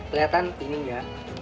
kelihatan ini ya